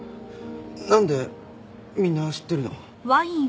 なんでみんな知ってるの？